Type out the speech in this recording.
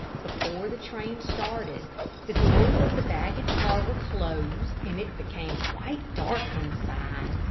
Before the train started, the doors of the baggage car were closed, and it became quite dark inside.